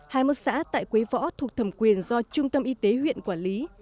hai mốt xã tại quế võ thuộc thầm quyền do trung tâm y tế huyện quản lý